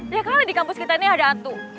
ya kan di kampus kita ini ada hantu